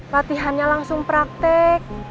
latihannya langsung praktek